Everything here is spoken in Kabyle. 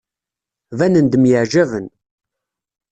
Banen-d myeɛjaben.